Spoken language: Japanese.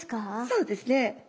そうですね。